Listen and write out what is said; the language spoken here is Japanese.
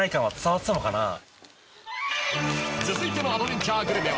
［続いてのアドベンチャーグルメは］